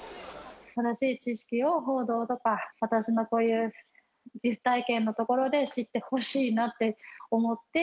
正しい知識を報道とか、私のこういう実体験のところで知ってほしいなって思って。